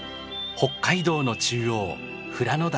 北海道の中央富良野岳。